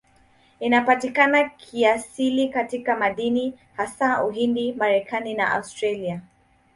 Inapatikana kiasili katika madini, hasa Uhindi, Marekani na Australia.